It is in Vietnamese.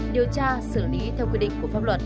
điều tra xử lý theo quy định của pháp luật